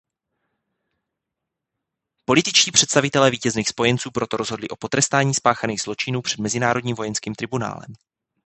Političtí představitelé vítězných spojenců proto rozhodli o potrestání spáchaných zločinů před mezinárodním vojenským tribunálem.